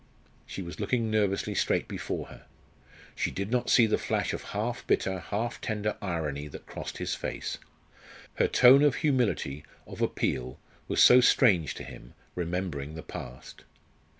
She was looking nervously straight before her. She did not see the flash of half bitter, half tender irony that crossed his face. Her tone of humility, of appeal, was so strange to him, remembering the past.